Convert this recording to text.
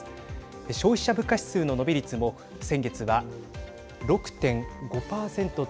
消費者物価指数の伸び率も先月は６．５％と